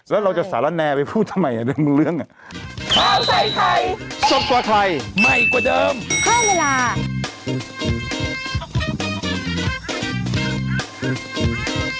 แล้วเราจะสารแนไปพูดทำไมเรื่องนั้น